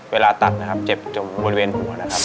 เวลาตัดนะครับเจ็บบริเวณหัวนะครับ